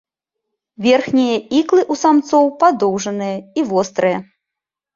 Верхнія іклы ў самцоў падоўжаныя і вострыя.